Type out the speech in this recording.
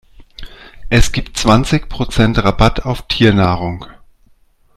Es gibt zwanzig Prozent Rabatt auf Tiernahrung.